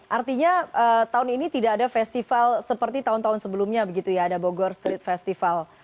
artinya tahun ini tidak ada festival seperti tahun tahun sebelumnya begitu ya ada bogor street festival